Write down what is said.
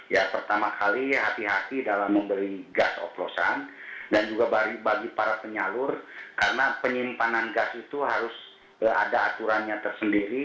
ya pertama kali hati hati dalam membeli gas oplosan dan juga bagi para penyalur karena penyimpanan gas itu harus ada aturannya tersendiri